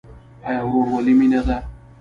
آیا ورورولي مینه ده؟